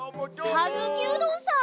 さぬきうどんさん？